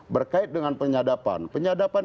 berkait dengan penyadapan penyadapan